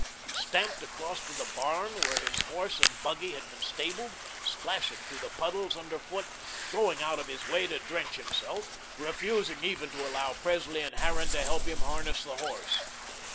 He stamped across to the barn where his horse and buggy had been stabled, splashing through the puddles under foot, going out of his way to drench himself, refusing even to allow Presley and Harran to help him harness the horse.